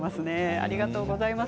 ありがとうございます。